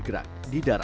koh si nam